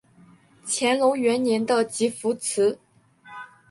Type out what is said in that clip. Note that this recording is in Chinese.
乾隆元年的集福祠。